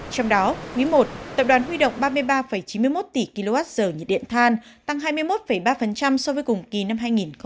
trong đó quý i tập đoàn huy động ba mươi ba chín mươi một tỷ kwh nhiệt điện than tăng hai mươi một ba so với cùng kỳ năm hai nghìn một mươi chín